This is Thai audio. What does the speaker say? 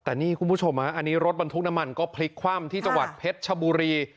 แต่นี่คุณผู้ชมอันนี้รถบรรทุกน้ำมันก็พลิกคว่ำที่จังหวัดเพชรชบุรี